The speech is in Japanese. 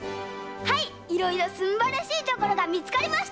はいいろいろすんばらしいところがみつかりました！